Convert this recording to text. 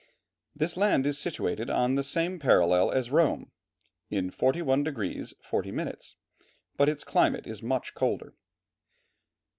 This land is situated on the same parallel as Rome, in 41 degrees 40 minutes, but its climate is much colder.